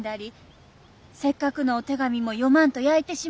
せっかくのお手紙も読まんと焼いてしもうたり。